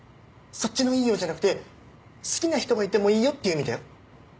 そっちのいいよじゃなくて好きな人がいてもいいよっていう意味だよ。